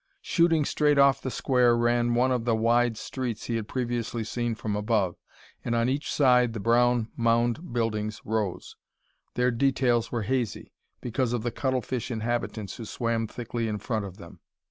Shooting straight off the square ran one of the wide streets he had previously seen from above, and on each side the brown mound buildings rose. Their details were hazy, because of the cuttlefish inhabitants who swam thickly in front of them.